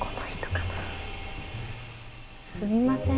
すみません。